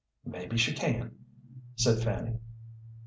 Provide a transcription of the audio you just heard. "Maybe she can," said Fanny.